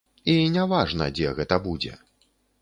І не важна, дзе гэта будзе.